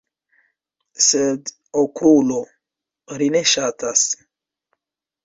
Sed Okrulo, ri ne ŝatas.